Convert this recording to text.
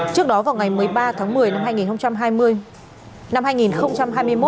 trước đó vào ngày một mươi ba tháng một mươi năm hai nghìn hai mươi một